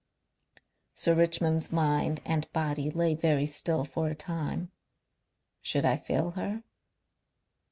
Sir Richmond's mind and body lay very still for a time. "Should I fail her?..."